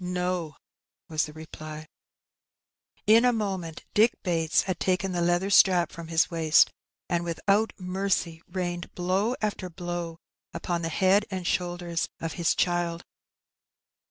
No," was the reply. In a moment Dick Bates had taken the leather strap from his waist, and without mercy rained blow after blow upon the head and shoulders of his child.